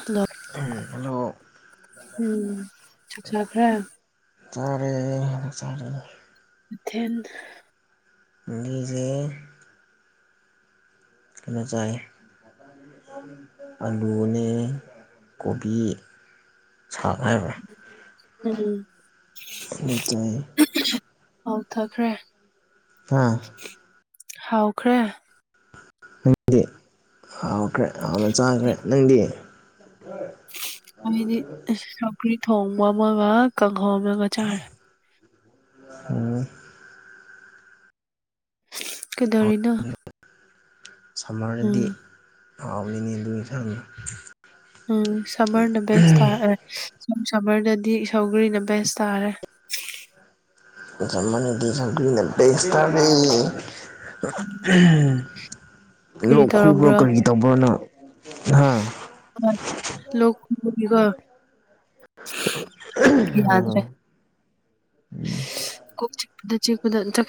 hello hello ꯎꯝ ꯊꯥꯛ ꯍ ꯆꯔꯦ ꯆꯔꯦ ꯃꯊꯦꯟ ꯖꯦ ꯈꯩꯅꯖꯥꯏ ꯑꯂꯨꯅꯦ ꯀꯣꯕꯤ ꯁ ꯍꯥꯏꯕ꯭ꯔ ꯎꯝ ꯅꯠꯇ ꯍꯥꯎꯊꯈ꯭ꯔꯦ ꯍꯥꯥ ꯍꯥꯎꯈ꯭ꯔꯦ ꯅꯪꯗꯤ ꯍꯥꯎꯈ꯭ꯔꯦ ꯍꯥꯎꯅ ꯆꯥꯈ꯭ꯔꯦ ꯅꯪꯗꯤ ꯑꯩꯗꯤ ꯆꯔꯤ ꯊꯣꯡꯕ ꯑꯃꯒ ꯀꯪꯍꯧ ꯑꯃꯒ ꯆꯥꯔ ꯑꯣ ꯀꯩꯗꯧꯔꯤꯅ ꯁꯝꯃꯔꯗꯗꯤ ꯍꯥꯎꯅꯤꯅꯦ ꯑꯗꯨꯒꯤ ꯏꯊꯥꯡꯗ ꯎꯝ ꯁꯃꯔꯅꯕꯦꯁꯇꯥ ꯁ ꯁꯕꯔꯗꯗꯤ ꯁꯧꯒ꯭ꯔꯤꯅ ꯕꯦꯁ ꯇꯥꯔꯦ ꯌꯥꯝ ꯃꯅꯤꯦꯁꯇ ꯀꯔꯤ ꯄꯔꯣꯛ ꯈꯨꯈ꯭ꯔꯣ ꯀꯔꯤ ꯇꯧꯕ꯭ꯔꯣꯅꯣ ꯂꯒ ꯑ ꯀꯣꯛ ꯆꯤꯛꯄꯗ ꯆꯤꯛꯄꯗ ꯆ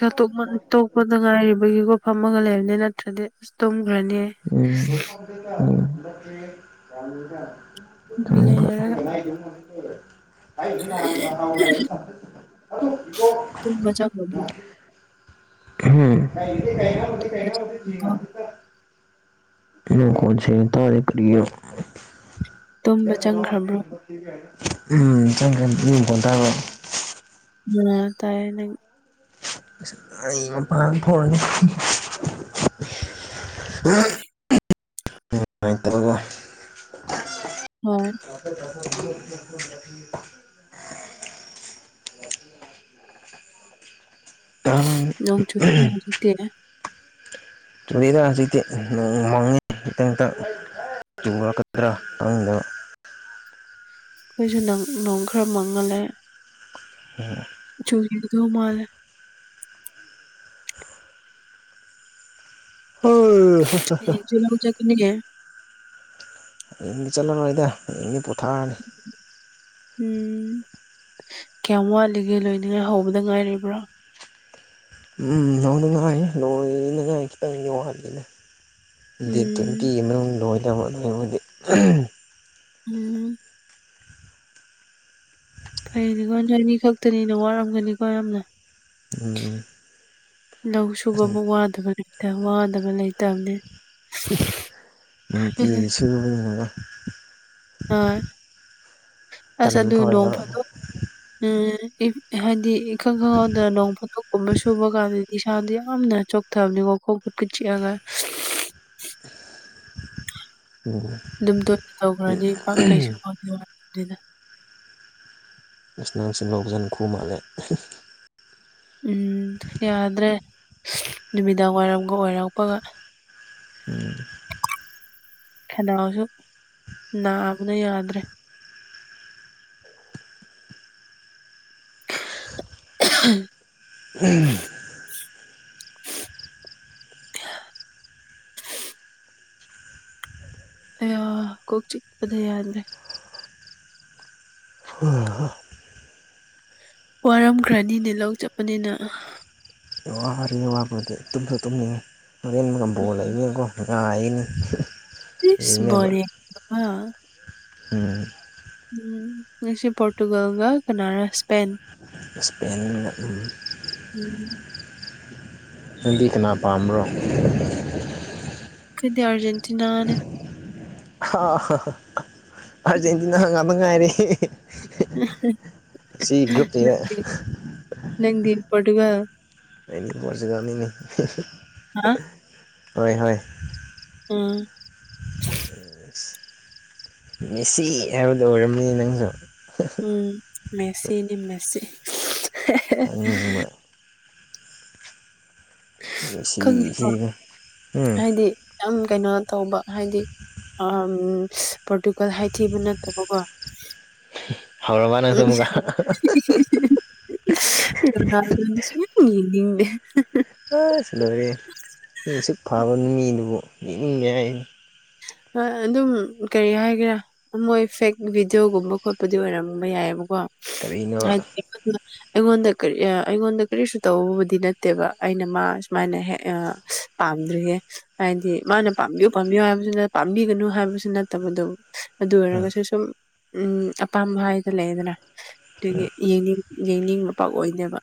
ꯇꯣꯛꯄꯗ ꯉꯥꯏꯔꯤꯕꯒꯤ ꯃꯐꯝꯃꯒ ꯂꯩꯔꯅꯦ ꯅꯠꯇ꯭ꯔꯗꯤ ꯇꯨꯝꯈ꯭ꯔꯅꯤ ꯎꯝ ꯍꯥꯎꯔ ꯇꯨ ꯃꯆꯥꯥ ꯂꯕꯨ ꯎꯝ ꯅ ꯈꯨꯣꯏꯁꯦ ꯇꯥ ꯀꯔꯤ ꯌꯥꯒ ꯊ ꯇꯨꯝꯕ ꯆꯪꯈ꯭ꯔꯕ꯭ꯔꯣ ꯆ ꯐꯗ ꯎꯝ ꯇꯥꯏꯅꯪ ꯑꯩ ꯃꯄꯥꯟ ꯊꯣꯛꯅꯤ ꯑꯗꯨꯃꯥꯏꯅ ꯇꯧꯔꯒ ꯍꯣꯏ ꯀꯥꯡ ꯅ ꯆꯗꯤꯗꯤ ꯆꯨꯔꯤꯗ ꯍꯧꯖꯤꯛꯇꯤ ꯉꯃꯥꯡꯉꯦ ꯍꯈꯤꯇꯪꯇꯪ ꯆꯨꯝꯂꯛꯀꯗ꯭ꯔꯥ ꯀꯥꯡꯗ ꯑꯩꯈꯣꯏꯁꯨ ꯅ ꯅꯣꯡ ꯈꯔ ꯃꯪꯍꯜꯂꯦ ꯑꯣ ꯆꯗ ꯃꯥꯜ ꯍ ꯆꯂꯖꯒꯅꯤ ꯑꯩꯒꯤ ꯆꯠꯂꯔꯣꯏꯗ ꯑꯩꯒꯤ ꯄꯣꯊꯥꯅꯤ ꯎꯝ ꯀꯌꯥꯝ ꯋꯥꯠꯂꯤꯒꯦ ꯂꯣꯏꯅꯤꯡꯉꯥꯏ ꯍꯧꯕꯗ ꯉꯥꯏꯔꯤꯕ꯭ꯔꯥ ꯎꯝ ꯅꯅ ꯉꯥꯏ ꯂ ꯉꯥꯏꯇ ꯋꯥꯔ ꯗꯦ ꯇ꯭ꯋꯦꯟꯇꯤ ꯎꯝ ꯂ ꯌꯥꯝ ꯎꯝ ꯐꯩꯅꯦꯀꯣ ꯅ ꯑꯅꯤ ꯈꯛꯇꯅꯤꯅ ꯋꯥꯔꯝꯒꯅꯤꯀꯣ ꯌꯥꯝꯅ ꯎꯝ ꯂꯧ ꯁꯨꯕ ꯑꯃꯨꯛ ꯋꯥꯗꯕꯇ ꯋꯥꯗꯕ ꯂꯩꯇꯕꯅꯤ ꯅꯨꯡꯇꯤꯁꯤꯡ ꯃꯅꯨꯡ ꯑꯣꯏ ꯑꯁ ꯑꯗꯨ ꯐꯥꯎ ꯅꯣꯡ ꯌꯥꯎꯔꯛꯑꯦ ꯐꯥꯗꯣꯛ ꯎꯝ ꯎ ꯍꯥꯏꯗꯤ ꯏꯈꯪ ꯈꯪꯍꯧꯗꯅ ꯅꯣꯡ ꯐꯣꯊꯣꯛ ꯀꯨꯝꯕ ꯁꯨꯕ ꯀꯥꯟꯗꯗꯤ ꯏꯁꯥꯗ ꯌꯥꯝꯅ ꯆꯣꯛꯊꯕꯅꯤꯀꯣ ꯈꯣꯡ ꯈꯨꯠꯀ ꯆꯤꯛꯑꯒ [unintelligible] ꯎꯝ ꯑꯗꯨꯝ ꯇꯣꯏꯅ ꯇꯧꯈ꯭ꯔꯅꯤ ꯄꯥꯛ ꯀꯩꯁꯨ ꯋꯥꯅꯤꯅꯤꯗ ꯏꯁꯅꯥꯥꯡꯁꯤ ꯂꯧꯁꯤꯟ ꯈꯨ ꯃꯥꯜꯂꯦ ꯎꯝ ꯌꯥꯗ꯭ꯔꯦ ꯅꯨꯃꯤꯗꯥꯡ ꯋꯥꯏꯔꯝꯒ ꯑꯣꯏꯔꯛꯄꯒ ꯎꯝ ꯈꯅꯥꯎꯁꯨ ꯅꯥꯕꯅ ꯌꯥꯗ꯭ꯔꯦ ꯎ [unintelligible] ꯎꯝ [unintelligible] ꯑꯣ ꯀꯣꯛꯆꯤ ꯄꯗꯩꯗ꯭ꯔꯦ ꯋꯥꯔꯝ ꯭ꯔꯥꯅꯤꯅꯦ ꯂꯧ ꯆꯠꯄꯅꯤꯅ ꯋꯥꯔꯦ ꯋꯥꯕꯗꯤ ꯇꯨꯝꯁꯨ ꯇꯨꯝꯅꯤꯡꯉꯦ ꯍꯣꯔꯦꯟꯕꯒꯝꯕꯣ ꯂꯩꯕꯦꯀꯣ ꯉꯥꯏꯅꯦ ꯁ ꯦ [unintelligible] ꯎꯝ ꯅꯪꯁꯦ ꯄꯣꯔꯇꯨꯒꯜꯒ ꯀꯅꯥꯔ ꯁꯄꯦꯟ ꯏꯁꯄꯦꯟ ꯎꯝ ꯅꯪꯗꯤ ꯀꯅꯥ ꯄꯥꯝꯕ꯭ꯔꯣ ꯀꯗꯤ ꯑꯔꯖꯦꯟꯇꯤꯅꯥꯅꯦ ꯑ ꯑꯥꯔꯖꯦꯟꯇꯤꯅꯥ ꯉꯠꯇ ꯉꯥꯏꯔꯦ ꯁꯤ ꯭ꯔꯨꯞꯇꯉꯦ ꯅꯪꯗꯤ ꯅꯪꯗꯤ ꯄꯣꯔꯇꯨꯒꯜ ꯄꯔꯁꯨꯒꯥꯅꯤꯅ ꯍꯥ ꯍꯣꯏ ꯍꯣꯏ ꯎꯝ ꯃꯦꯁꯁꯤ ꯍꯥꯏꯕꯗꯨꯣ ꯑꯣꯏꯔꯝꯅꯤ ꯅꯪꯁꯨ ꯎꯝ ꯃꯦꯁꯁꯤꯅꯤ ꯃꯦꯁꯤ ꯑꯨꯍꯨꯝꯅ [unintelligible] ꯁꯤ ꯈꯪꯗꯦꯀꯣ ꯁꯤꯅ ꯎꯝ ꯍꯥꯏꯗꯤ ꯌꯥꯝ ꯀꯩꯅꯣ ꯇꯧꯕ ꯍꯥꯏꯗꯤ ꯑ ꯄꯔꯇꯨꯒꯜ ꯍꯥꯏ ꯊꯤꯕ ꯅ ꯇꯕ ꯀꯣ ꯍꯧꯔꯕ ꯅꯪꯁꯨ ꯑꯃꯨꯛꯀ ꯎ ꯔꯗꯥꯗꯁꯤ [unintelligible] ꯌꯦꯡꯅꯤꯡꯗꯦ ꯑꯁ ꯂꯣꯏꯔꯦ ꯅ ꯑꯁꯨꯛ ꯐꯕ ꯃꯤꯗꯨꯕꯨ ꯌꯦꯛꯅꯤꯡꯗꯦ ꯍꯥꯏꯔꯤꯌꯦ ꯑ ꯑꯗꯨꯝ ꯀꯔꯤ ꯍꯥꯏꯒꯦꯔꯥ ꯃꯣꯏ ꯐꯦꯛ ꯚꯤꯗꯤꯑꯣꯒꯨꯝꯕ ꯈꯣꯠꯄꯗꯤ ꯑꯣꯏꯔꯝꯕ ꯌꯥꯏꯌꯦꯕꯀꯣ ꯀꯔꯤꯅꯣꯕ ꯑꯟꯏꯟꯇꯦꯜꯂꯤꯖꯦꯕꯜ [unintelligible] ꯑꯩꯉꯣꯟꯗ ꯀꯔꯤ ꯑ ꯑꯩꯉꯣꯟꯗ ꯀꯔꯤꯁꯨ ꯇꯕꯨꯗꯤ ꯅꯠꯇꯦꯕ ꯑꯩꯅ ꯃꯥ ꯁꯨꯃꯥꯏꯅ ꯍꯦꯛ ꯑ ꯄꯥꯝꯗ꯭ꯔꯤꯌꯦ ꯍꯥꯏꯗꯤ ꯃꯥꯅ ꯄꯥꯝꯕꯤꯌꯨ ꯄꯥꯝꯕꯤꯌꯨ ꯍꯥꯏ ꯅ ꯄꯥꯝꯕꯤꯒꯅꯨ ꯍꯥꯏꯕꯁꯨ ꯅꯠꯇꯕꯗꯣ ꯑꯗꯨ ꯑꯣꯏꯔꯒꯁꯨ ꯁꯨꯝ ꯎꯝ ꯑꯄꯥꯝꯕ ꯍꯥꯏꯗꯅ ꯂꯩꯌꯦꯗꯅ ꯑꯗꯨꯒꯤ ꯌꯦꯅꯤꯡ ꯌꯦꯡꯅꯤꯡꯕ ꯄꯥꯛ ꯑꯣꯏꯗꯦꯕ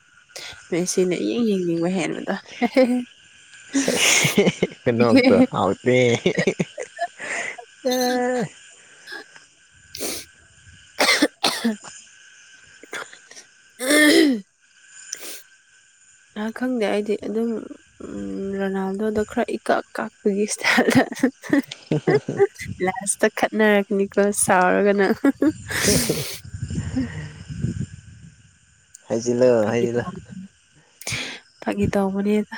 ꯃꯦꯁꯤꯅ ꯏꯌꯦꯡ ꯌꯦꯡꯅꯤꯡꯕ ꯍꯦꯟꯅ ꯍꯦꯍꯦꯍꯦ ꯑꯟꯑꯣꯗꯤꯕꯜ [unintelligible] ꯈꯨꯅꯣꯛꯇꯣ ꯍꯥꯎꯇꯦꯍꯦ ꯑꯍꯝ ꯑꯍꯝ ꯑꯎꯝ [unintelligible] ꯑ ꯈꯪꯗꯦ ꯑꯩꯗꯤ ꯑꯗꯨꯝ ꯎꯝ ꯔꯣꯅꯥꯜꯗꯣꯗ ꯈꯔ ꯏꯀꯛ ꯀꯥꯛꯄꯒꯤ ꯏꯁꯇꯥꯏꯜꯗ ꯂꯥꯁꯇ ꯈꯠꯅꯔꯛꯀꯅꯤꯀꯣ ꯁꯥꯎꯔꯒꯅ ꯑꯍꯍꯍ [inaudible] ꯍꯥꯏꯖꯤꯜꯂꯣ ꯍꯥꯏꯖꯤꯜ ꯂꯣ ꯐꯒꯤ ꯇꯧꯕꯅꯤꯗ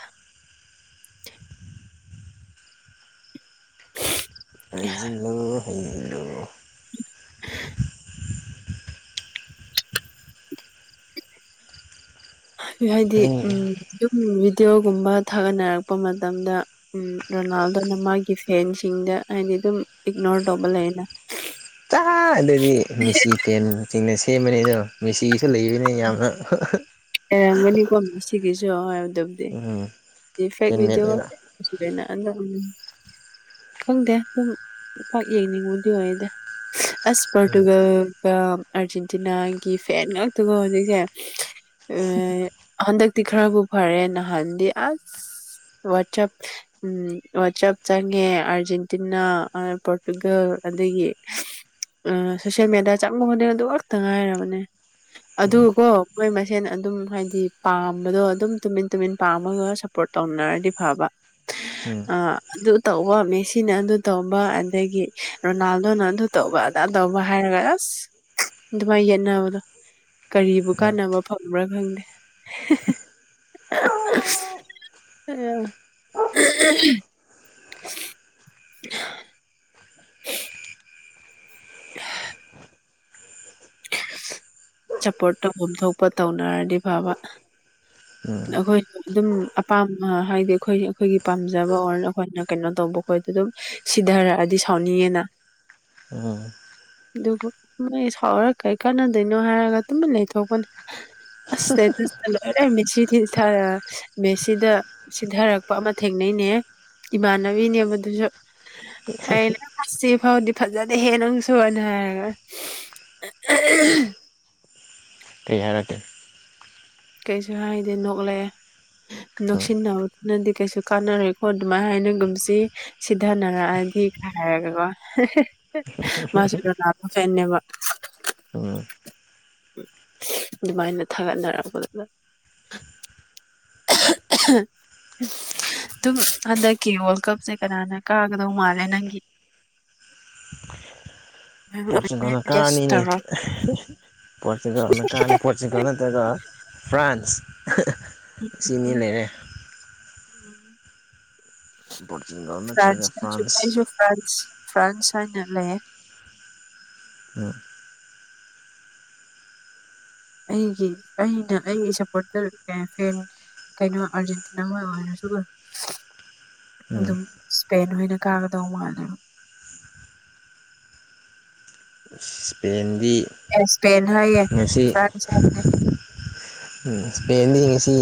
ꯑꯟꯏꯟꯇꯦꯜꯂꯤꯖꯦꯕꯜ ꯍꯥꯏꯗꯤ ꯎꯝ ꯑꯝ ꯚꯤꯗꯤꯑꯣꯒꯨꯝꯕ ꯊꯥꯒꯠꯅꯔꯛꯄ ꯃꯇꯝꯗ ꯔꯣꯅꯥꯜꯗꯣꯅ ꯃꯥꯒꯤ ꯐꯦꯟꯁꯤꯡꯗ ꯍꯥꯏꯗꯤ ꯑꯗꯨꯝ ꯏꯛꯅꯣꯔ ꯇꯧꯕ ꯂꯩꯅ ꯑ ꯑꯗꯨꯗꯤ ꯃꯦꯁꯤ ꯐꯦꯟꯁꯤꯡꯤꯡꯅ ꯁꯦꯝꯕꯅꯤ ꯑꯗꯣ ꯃꯦꯁꯤꯒꯤꯁꯨ ꯂꯩꯕꯅꯦ ꯌꯥꯝꯅ ꯂꯩꯔꯝꯒꯅꯤꯀꯣ ꯃꯦꯁꯤꯒꯤꯁꯨ ꯍꯥꯏꯔꯎꯗꯕꯗꯤ ꯎꯝ ꯐꯦꯛꯗꯤ ꯐꯦꯟꯃꯦꯠꯅꯦꯕ ꯅ ꯑꯗꯨ ꯈꯪꯗꯦ ꯑꯗꯨꯝꯄꯥꯛꯥꯛ ꯌꯦꯡꯅꯤꯡꯕꯗꯤ ꯑꯣꯏꯗ ꯑꯁ ꯄꯣꯔꯇꯨꯒꯜꯒ ꯑꯥꯔꯖꯦꯟꯇꯤꯅꯥꯒꯤ ꯐꯦꯟ ꯉꯥꯛꯇꯒ ꯍꯧꯖꯤꯛꯁꯦ ꯑꯟꯏꯟꯇꯦꯜꯂꯤꯖꯦꯕꯜ ꯍꯟꯗꯛꯇꯤ ꯈꯔꯕꯨ ꯐꯔꯦ ꯅꯍꯥꯟꯗꯤ ꯑꯁ ꯋꯥꯆꯞ ꯎꯝ ꯋꯥꯆꯞ ꯆꯪꯉꯦ ꯑꯔꯖꯦꯟꯇꯤꯅꯥ ꯑ ꯄꯣꯔꯇꯨꯒꯜ ꯑꯗꯒꯤ ꯑ ꯁꯣꯁꯤꯜ ꯃꯦꯗꯤꯌꯥ ꯆꯪꯕ ꯈꯣꯗꯤꯡ ꯑꯗꯨ ꯉꯛꯇ ꯉꯥꯏꯔꯕꯅꯦ ꯑꯗꯨ ꯀꯣ ꯃꯣꯏ ꯁꯦꯟ ꯑꯗꯨꯝ ꯍꯥꯏꯗꯤ ꯄꯥꯝꯕꯗꯣ ꯑꯗꯨꯝ ꯇꯨꯃꯤꯟ ꯇꯨꯃꯤꯟ ꯄꯥꯝꯃꯒ ꯁꯞꯄꯣꯔꯠ ꯇꯧꯅꯔꯗꯤ ꯐꯕ ꯎꯝ ꯑꯟꯑꯣꯗꯤꯕꯜ ꯑ ꯑꯗꯨ ꯇꯧꯕ ꯃꯦꯁꯤꯅ ꯑꯗꯨ ꯇꯧꯕ ꯑꯗꯒꯤ ꯔꯣꯅꯥꯜꯗꯣꯅ ꯑꯗꯨ ꯇꯧꯕ ꯑꯗꯥ ꯇꯧꯕ ꯍꯥꯏꯔꯒ ꯑꯁ ꯑꯗꯨꯃꯥꯏꯅ ꯌꯦꯠꯅꯕꯗꯣ ꯀꯔꯤꯕꯨ ꯎꯝ ꯀꯥꯟꯅꯕ ꯐꯪꯕ꯭ꯔꯥ ꯈꯪꯗꯦ ꯑ ꯑꯟꯏꯟꯇꯦꯜꯂꯤꯖꯦꯕꯜ ꯑꯟꯑꯣꯗꯤꯕꯜ ꯁꯞꯄꯣꯔꯠ ꯇꯧꯐꯝ ꯊꯣꯛꯄ ꯇꯧꯅꯔꯗꯤ ꯐꯕ ꯎꯝ ꯑꯩꯈꯣꯏꯅ ꯑꯗꯨꯝ ꯑꯄꯥꯝꯃ ꯍꯥꯏꯗꯤ ꯑꯩꯈꯣꯏ ꯑꯩꯈꯣꯏꯒꯤ ꯄꯥꯝꯖꯕ ꯑꯣꯔ ꯑꯩꯈꯣꯏꯅ ꯀꯩꯅꯣ ꯇꯧꯕ ꯈꯣꯠ ꯑꯩꯈꯣꯏꯗ ꯑꯗꯨꯝ ꯁꯤꯙꯔꯛꯑꯗꯤ ꯁꯥꯎꯅꯤꯡꯉꯦꯅ ꯎꯝ ꯑꯗꯨꯕꯨ ꯃꯣꯏ ꯁꯥꯎꯔ ꯀꯩ ꯀꯥꯟꯅꯗꯣꯏꯅꯣ ꯍꯥꯏꯔꯒ ꯇꯨꯃꯥꯟꯅ ꯂꯩꯊꯣꯛꯄꯅꯦ ꯑꯟꯏꯟꯇꯦꯜꯂꯤꯖꯦꯕꯜ ꯁꯤ ꯃꯦꯁꯤꯗ ꯁꯤꯙꯔꯛꯄ ꯑꯃ ꯊꯦꯡꯅꯩꯅꯦ ꯏꯃꯥꯟꯅꯕꯤꯅꯦ ꯑꯗꯨꯁꯨ ꯑꯩꯅ ꯐꯁꯤ ꯐꯥꯎꯗꯤ ꯐꯖꯗꯦ ꯅꯪꯁꯨ ꯑꯅ ꯍꯥꯏꯔꯒ ꯑꯟꯏꯟꯇꯦꯜꯂꯤꯖꯦꯕꯜ ꯀꯩ ꯍꯥꯏꯔꯀꯦ ꯀꯩꯁꯨ ꯍꯥꯏꯗꯦ ꯅꯣꯛꯂꯛꯑꯦ ꯎꯝ ꯅꯣꯛꯁꯤꯟꯅꯕꯗꯨꯅꯗꯤ ꯀꯩꯁꯨ ꯀꯥꯟꯅꯔꯣꯏ ꯈꯣ ꯑꯗꯨꯃꯥꯏꯅ ꯍꯥꯏꯅꯒꯨꯝꯁꯤ ꯁꯤꯊꯅꯔꯛꯑꯗꯤ ꯈ ꯍꯥꯏꯔꯒꯦꯀꯣ ꯃꯥꯁꯨꯗ ꯂꯥꯛꯄ ꯐꯦꯅꯦꯦꯕ ꯑꯣ ꯑꯗꯨꯕꯥꯥꯏꯅ ꯊꯒꯥꯟꯗꯔꯥ ꯀꯅ [inaudible] ꯑꯗꯨꯝ ꯍꯟꯗꯛꯀꯤ ꯋꯥꯔꯜ ꯀꯞꯁꯦ ꯀꯅꯥꯅ ꯀꯥꯒꯗꯧ ꯃꯥꯜꯂꯦ ꯅꯪꯒꯤ [inaudible] ꯄꯁꯤ ꯀꯣ ꯒꯦꯁ ꯀꯥꯅꯤꯅꯤ ꯇꯧꯔꯣ ꯄꯣꯣꯔꯆꯨꯒꯜꯗ ꯀꯥꯥꯟꯦ ꯄꯣꯆꯨꯒꯅ ꯇꯒ ꯐ꯭ꯔꯥꯟꯁ ꯁꯤꯅꯤ ꯂꯩꯔꯦ ꯄꯣꯔꯇꯨꯒꯜ ꯅꯠꯇ꯭ꯔꯒ ꯐ꯭ꯔꯥꯟꯁ ꯀ ꯆꯨꯄꯥꯏꯁꯨ ꯐ꯭ꯔꯥꯟꯁ ꯐ꯭ꯔꯥꯟꯁ ꯍꯥꯏ ꯅꯂꯦ ꯎꯝ ꯑꯩꯒꯤ ꯑꯩꯅ ꯑꯩꯒꯤ ꯁꯞꯄꯣꯔꯇꯔ ꯐꯦꯟ ꯀꯩꯅꯣ ꯑꯥꯔꯖꯦꯟꯇꯤꯅꯥꯉꯣꯏ ꯑꯣꯏꯔꯁꯨ ꯒ ꯎꯝ ꯑꯗꯨꯝ ꯏꯁꯄꯦꯟ ꯑꯣꯏꯅ ꯀꯥꯒꯗꯧ ꯃꯥꯜꯂꯦꯕ ꯏꯁꯄꯦꯟꯗꯤ ꯑꯦ ꯏꯁꯄꯦꯟ ꯍꯥꯏꯌꯦ ꯉꯁꯤ ꯐ꯭ꯔꯥꯟꯁ ꯍꯥꯏꯕꯅꯦ ꯏꯁꯄꯦꯟꯗꯤꯪꯂꯤꯁꯤ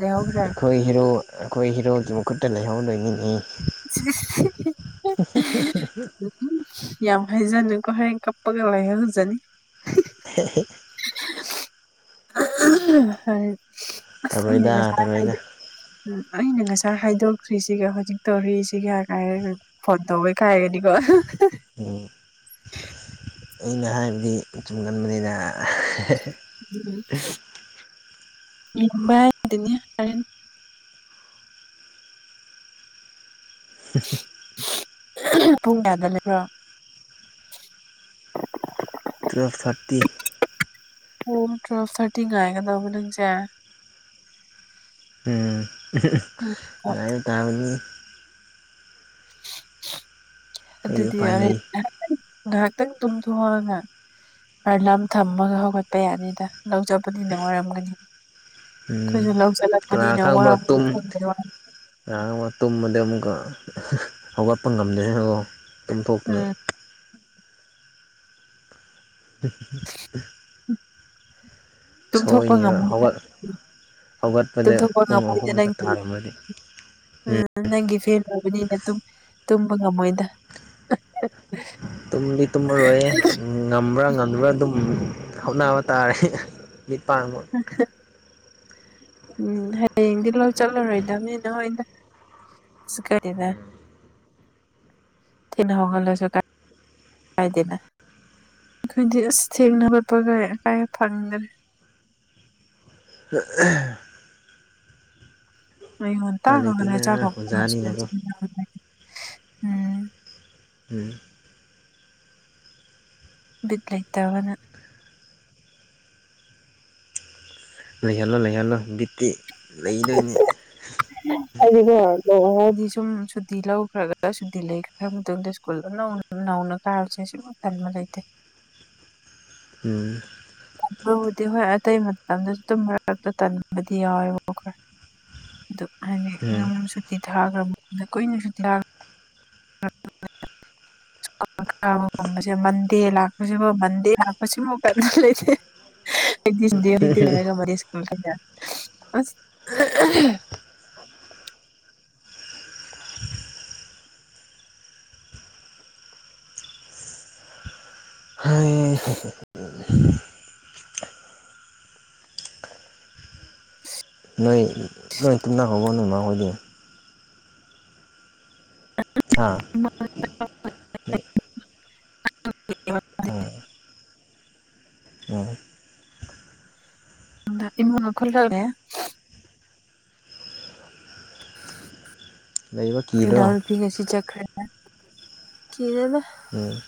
ꯂꯩꯍꯧꯈ꯭ꯔꯦ ꯑꯩꯈꯣꯏ ꯍꯤꯔꯣ ꯑꯩꯈꯣꯏ ꯍꯤꯔꯣꯒꯤ ꯃꯈꯨꯠꯇ ꯂꯩꯍꯧ ꯂꯣꯏꯅꯤꯡꯉꯤ [inaudible] [inaudible] ꯌꯥꯝ ꯍꯥꯏꯖꯅꯨꯀꯣ ꯍꯌꯦꯡ ꯀꯞꯄꯒ ꯂꯍꯖꯅꯤ ꯍ ꯇꯧꯔꯣꯏꯗ ꯑꯅꯦꯅ ꯁ ꯇꯧꯔꯣꯏꯗ ꯐꯗ ꯎꯝ ꯑꯩꯅ ꯉꯁꯥꯏ ꯍꯥꯏꯗꯣꯛꯈ꯭ꯔꯤꯁꯤꯒ ꯍꯧꯖꯤꯛ ꯇꯣꯔꯤꯁꯤ ꯀꯌꯥ ꯀꯥꯏꯔꯒ ꯐꯠꯇꯕꯩ ꯀꯥꯏꯒꯅꯤꯀꯣ [inaudible] ꯎꯝ ꯑꯩꯅ ꯍꯥꯏꯕꯗꯤ ꯆꯨꯝꯒꯟꯕꯅꯤꯅ ꯏ ꯑꯗꯨꯅꯤꯔ [inaudible] ꯄꯨꯡ ꯀꯌꯥꯗ ꯂꯩꯕ꯭ꯔꯣ ꯇ꯭ꯨꯋꯜꯞ ꯊꯥꯔꯇꯤ ꯑꯣ ꯇ꯭ꯔꯐ ꯊꯔꯇꯤ ꯉꯑꯒꯗ ꯂ ꯆ ꯎꯝ ꯌꯥ ꯇꯥꯕ ꯀꯔꯤ ꯑꯗꯨꯗꯤꯦꯟ ꯎꯄꯥꯏ ꯂꯩ ꯉꯥꯏꯍꯥꯛꯪ ꯉꯥꯏꯍꯥꯛꯇꯪ ꯇꯨꯝꯊꯣꯛꯑꯑꯒ ꯂꯝ ꯊꯝꯃꯒ ꯍꯧꯒꯠꯄ ꯌꯥꯅꯤꯗ ꯂꯧꯖꯕꯅꯤꯅ ꯋꯥꯔꯝꯒꯅꯤ ꯎꯝ ꯑꯩꯈꯣꯏꯁꯨ ꯂꯧꯁꯤꯜꯂꯛꯄꯅꯤꯅ ꯋꯥꯕꯨ ꯈꯪ ꯋꯥ ꯑ ꯇꯨꯝ ꯃꯗꯤ ꯑꯃꯨꯀ ꯍꯧꯒꯠꯄ ꯉꯝꯗꯦ ꯑꯗꯣ ꯀꯣꯝꯊꯣꯛꯇꯨꯅ ꯎꯝ [inaudible] ꯁꯣꯏ ꯇꯨꯝꯊꯣꯛꯄ ꯉꯝꯃꯣꯏꯗ ꯍꯋꯥ ꯍꯧꯒꯠꯄꯗ ꯇꯨꯝꯊꯣꯛꯄ ꯄꯨꯡ ꯉꯝꯃꯣꯏꯗ ꯑꯍꯨꯝꯂꯒ ꯅꯪꯒꯤ ꯇꯥꯔꯝꯃꯗꯤ ꯎꯝ ꯅꯪꯒꯤ ꯐꯦꯟ ꯑꯣꯏꯕꯅꯤꯅ ꯇꯨꯝꯕ ꯉꯝꯃꯣꯏꯗ [inaudible] ꯇꯨꯝꯗꯤ ꯇꯨꯝꯃꯔꯣꯏ ꯉꯝꯕ꯭ꯔꯥ ꯉꯝꯕ꯭ꯔꯥ ꯑꯗꯨꯝ ꯍꯠꯅꯕ ꯇꯥꯔꯦ ꯃꯤꯄꯥꯥꯡ ꯎꯝ ꯍꯌꯦꯡꯗꯤ ꯂꯧ ꯆꯠꯂꯔꯣꯏꯗꯕꯅꯤꯅ ꯍꯣꯏꯗ ꯀꯥꯏꯗꯗ ꯊꯅ ꯍꯒꯂꯁꯨ ꯀꯥꯏ ꯍꯥꯏꯗꯅ ꯑꯩꯈꯣꯏꯗꯤ ꯑꯁ ꯊꯦꯡꯅ ꯈꯣꯠꯄꯒ ꯑꯀꯥꯏ ꯐꯪꯒꯅꯤꯦ ꯑ ꯑꯣ ꯑ ꯇ ꯎꯄꯥꯏ ꯀꯔ ꯆ ꯂꯩꯇꯦꯅ ꯑꯣꯖꯥꯅꯤꯅꯀꯣ ꯎꯝ ꯎꯝ ꯗ ꯂꯩꯩ ꯇꯅ ꯂꯩꯍꯜꯂꯣ ꯂꯩꯍꯜꯂꯣ ꯕꯤꯠꯇꯤ ꯂꯩꯗꯣꯏꯅꯤ ꯑꯗꯨ ꯍꯥꯏꯗꯤ ꯁꯨꯝ ꯁꯨꯇꯤ ꯂꯧꯈ꯭ꯔꯒꯗ ꯁꯨꯇꯤ ꯂꯩꯈ꯭ꯔ ꯃꯇꯨꯡꯗ ꯁ꯭ꯀꯨꯜ ꯑꯃ ꯅꯧꯅ ꯀꯥꯁꯦ ꯁ ꯋꯥꯇꯟ ꯑꯃ ꯂꯩꯇꯦ ꯎꯝ ꯇꯟꯕꯕꯨꯗꯤ ꯍꯣꯏ ꯑꯇꯩ ꯃꯇꯝꯗꯁꯨ ꯑꯗꯨꯝ ꯃꯔꯛꯇ ꯇꯟꯕꯗꯤ ꯌꯥꯎꯋꯦꯕ ꯈꯔ ꯑꯗꯨ ꯍꯥꯏꯗꯤ ꯎꯝ ꯁꯨꯇꯤ ꯊꯥꯈ꯭ꯔꯕ ꯀꯨꯏꯅ ꯁꯨꯤ ꯊꯥ [unintelligible] ꯒꯁꯦ ꯃꯟꯗꯦ ꯂꯥꯛꯄꯁꯤꯐꯥꯎ ꯃꯟꯗꯦ ꯂꯥꯛꯄꯁꯤꯐ ꯀꯟꯅ ꯂꯩꯇꯦ ꯗꯔꯤꯗꯤꯔꯦꯒ ꯃ ꯗ [inaudible] ꯅꯣꯏ ꯅꯣꯏ ꯇꯨꯃꯤꯟꯅ ꯍꯕ ꯅꯣꯏꯃ ꯍꯣꯏꯗꯤ ꯍꯥꯥ [inaudible] ꯑ ꯏꯃꯨꯡ ꯈꯜ ꯂꯩꯕ ꯂ ꯀꯤꯗ꯭ꯔꯣ ꯐꯁꯤ ꯆꯈ ꯀ ꯀꯅ ꯎꯝ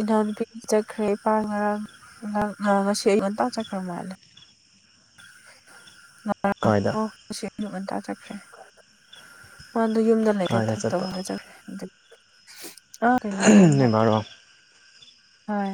ꯏꯅꯥꯎꯅꯨꯄꯤ ꯆꯠꯈ꯭ꯔꯦ ꯏꯄꯥ ꯉꯔꯥꯡ ꯉꯥꯡ ꯉꯥꯡ ꯉꯁꯤ ꯑꯩꯣꯟꯇꯥ ꯆꯠꯈ꯭ꯔ ꯃꯥꯜꯂꯦ ꯀꯥꯏꯗ ꯌꯨꯛ ꯉꯟꯇꯥꯖꯠꯈ꯭ꯔꯦ ꯑꯗꯨ ꯌꯨꯝꯗ ꯂꯩꯔꯦ ꯀꯥꯏꯗ ꯊꯛꯇ ꯆꯠꯄ ꯍꯣꯅꯖꯒꯦ ꯑꯗꯨ ꯑꯥ ꯀꯩꯅꯣꯔꯣꯝꯗ ꯅꯣꯏ ꯕꯥꯔꯣ ꯍꯣꯏ